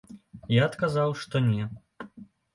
Я адказаў, што не.